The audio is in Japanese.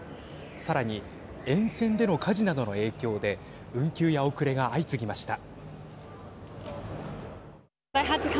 さらに沿線での火事などの影響で運休や遅れが相次ぎました。